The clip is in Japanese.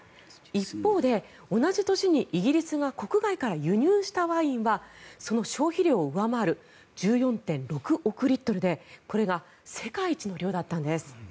一方で、同じ年にイギリスが国外から輸入したワインはその消費量を上回る１４．６億リットルでこれが世界一の量だったんです。